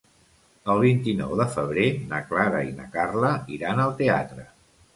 El vint-i-nou de febrer na Clara i na Carla iran al teatre.